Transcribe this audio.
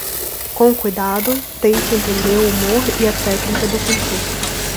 Com cuidado, tente entender o humor e a técnica do pintor